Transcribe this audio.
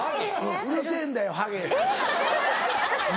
「うるせぇんだよハゲ」って。